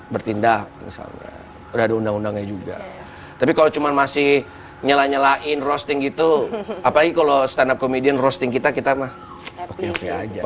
bertindak udah ada undang undangnya juga tapi kalau cuma masih nyela nyalain roasting gitu apalagi kalau stand up comedian roasting kita kita mah oke oke aja